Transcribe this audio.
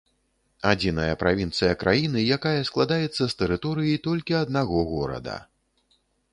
Адзіная правінцыя краіны, якая складаецца з тэрыторыі толькі аднаго горада.